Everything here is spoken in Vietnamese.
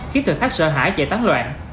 khiến thực khách sợ hãi chạy tán loạn